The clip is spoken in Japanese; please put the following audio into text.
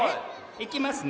いきますね。